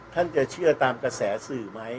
ท่านจะเชื่อตามกระแสสื่อไหม